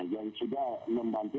yang sudah membantu